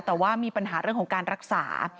แต่ว่ามีปัญหาเรื่องของการรักษา